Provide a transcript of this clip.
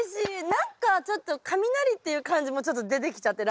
何かちょっと雷っていう漢字もちょっと出てきちゃって。